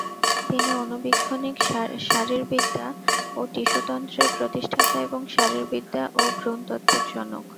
তিনি আণুবীক্ষণিক শারীরবিদ্যা ও টিস্যুতত্ত্বের প্রতিষ্ঠাতা এবং শারীরবিদ্যা ও ভ্রূণতত্ত্বের জনক।